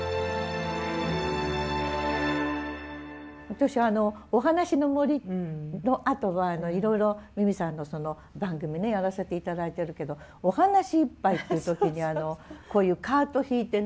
私あの「おはなしのもり」のあとはいろいろ美巳さんの番組やらせて頂いてるけど「おはなしいっぱい」って時にこういうカート引いてね